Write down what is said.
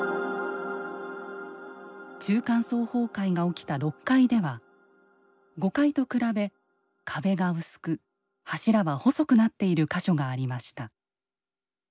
中間層崩壊が起きた６階では５階と比べ壁が薄く柱は細くなっている箇所がありました。